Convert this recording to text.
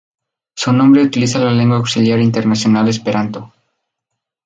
Su nombre utiliza la lengua auxiliar internacional esperanto.